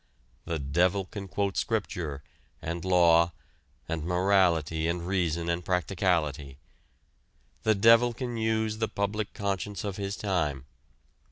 The devil can quote Scripture, and law, and morality and reason and practicality. The devil can use the public conscience of his time.